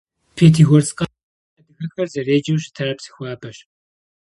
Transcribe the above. Пятигорск къалэм адыгэхэр зэреджэу щытар Псыхуабэщ.